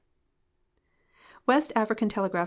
West African Telegraj)!!